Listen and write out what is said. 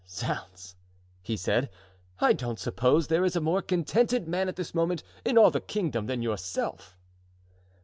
"Zounds!" he said; "I don't suppose there is a more contented man at this moment in all the kingdom than yourself!"